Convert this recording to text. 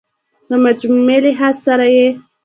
خو مجموعي لحاظ سره ئې